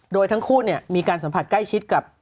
โดยทั้งคู่มีการสัมผัสใกล้ชิดกับ